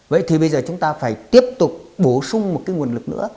vậy thì bây giờ chúng ta phải tiếp tục bổ sung một cái nguồn lực nữa